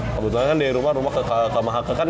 kebetulan kan dari rumah ke mahaka kan